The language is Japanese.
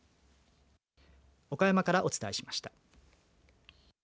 岡山からお伝えしました。